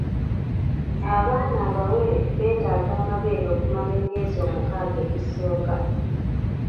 Abaana abawere beetaaga amabeere okumala emyezi omukaaga egisooka.